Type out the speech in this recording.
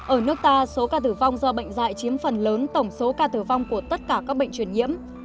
ở nước ta số ca tử vong do bệnh dạy chiếm phần lớn tổng số ca tử vong của tất cả các bệnh truyền nhiễm